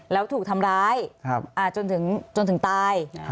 แล้วถูกทำร้ายจนถึงตาย